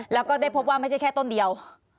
แล้วก็ได้พบว่าไม่ใช่แค่ต้นเดียว